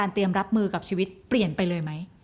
เตรียมรับมือกับชีวิตเปลี่ยนไปเลยไหม